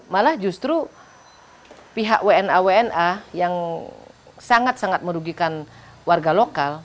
malah justru pihak wna wna yang sangat sangat merugikan warga lokal